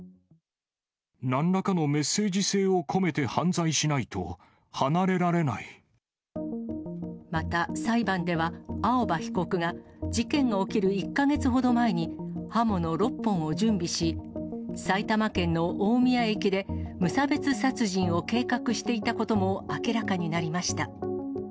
なんらかのメッセージ性を込また、裁判では青葉被告が、事件が起きる１か月ほど前に、刃物６本を準備し、埼玉県の大宮駅で、無差別殺人を計画していたことも明らかになりました。